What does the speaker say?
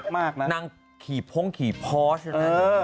นางขี่โพงขี่พร้อมใช่ไหม